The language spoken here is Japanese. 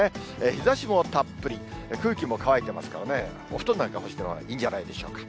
日ざしもたっぷり、空気も乾いてますからね、お布団なんか干したらいいんじゃないでしょうか。